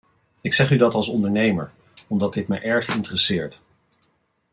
Ik zeg u dat als ondernemer, omdat dit mij erg interesseert.